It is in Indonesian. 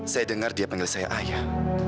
saya dengar dia panggil saya ayah